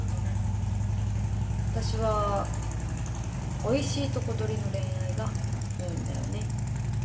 私はおいしいとこ取りの恋愛がいいんだよね。